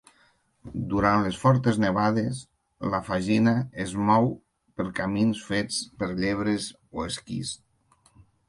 Durant les fortes nevades, la fagina es mou per camins fets per llebres o esquís.